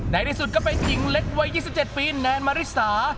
ในที่สุดก็เป็นหญิงเล็กวัย๒๗ปีแนนมาริสา